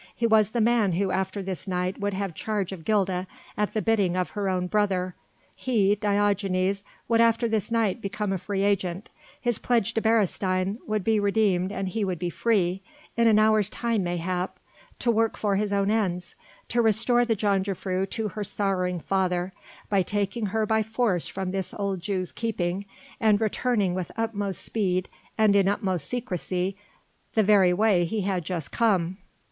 He was the man who after this night would have charge of Gilda, at the bidding of her own brother; he Diogenes would after this night become a free agent, his pledge to Beresteyn would be redeemed and he would be free in an hour's time mayhap to work for his own ends to restore the jongejuffrouw to her sorrowing father, by taking her by force from this old Jew's keeping and returning with utmost speed and in utmost secrecy the very way he had just come.